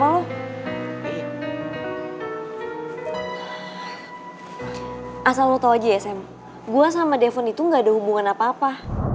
asal lo tau aja ya sam gue sama devon itu gak ada hubungan apa apa